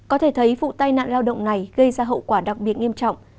có thể thấy vụ tai nạn lao động này gây ra hậu quả đặc biệt nghiêm trọng